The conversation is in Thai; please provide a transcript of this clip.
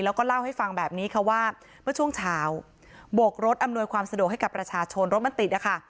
แล้วก็เล่าให้ฟังแบบนี้ค่ะว่าเมื่อช่วงเช้าโบกรถอำนวยความสะดวกให้กับประชาชนรถมันติดนะคะ